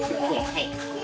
はい。